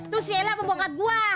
tuh si ella pembongkat gua